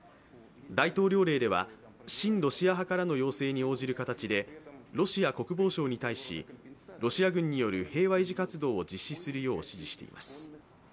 大統領令では、親ロシア派からの要請に応じる形でロシア国防省に対し、ロシア軍による平和維持活動を実施するよう指示しています。